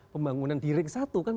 pembangunan di ring satu kan